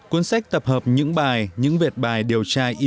cuốn sách tập hợp những bài những vẹt bài điều tra in dạy